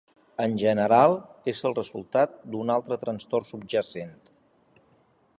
En general, és el resultat d'una altra trastorn subjacent.